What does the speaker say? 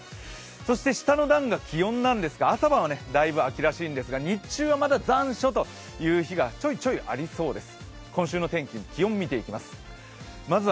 そして下の段が気温なんですが、朝晩はだいぶ秋らしいんですが日中は残暑という日がありそうです。